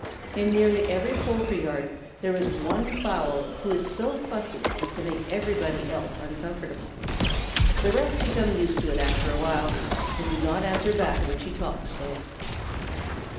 In nearly every poultry yard there is one fowl who is so fussy as to make everybody else uncomfortable. The rest become used to it after a while and do not answer back when she talks so.